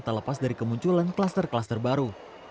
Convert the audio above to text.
tak lepas dari kemunculan klaster klaster baru